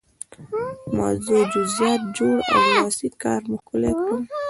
د موضوع جزئیات جوړ او لاسي کار مو ښکلی کړئ.